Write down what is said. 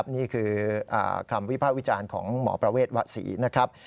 นี่คือคำวิภาควิจารณ์ของหมอประเวทวศรีนะครับ